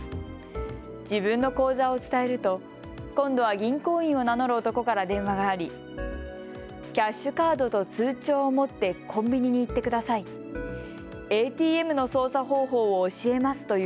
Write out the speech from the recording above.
自分の口座を伝えると今度は銀行員を名乗る男から電話がありキャッシュカードと通帳を持ってコンビニに行ってください。